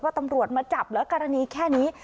ว่าตำรวจมาจับแล้วกรณีแค่นี้